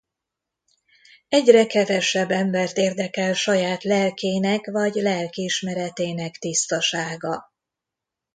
Egyre kevesebb embert érdekel saját lelkének vagy lelkiismeretének tisztasága.